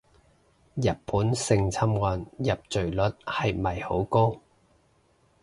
日本性侵案入罪率係咪好高